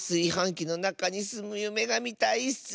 きのなかにすむゆめがみたいッス！